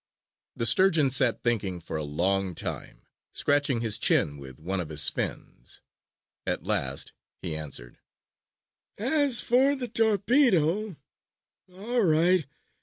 The Sturgeon sat thinking for a long time, scratching his chin with one of his fins. At last he answered: "As for the torpedo, all right!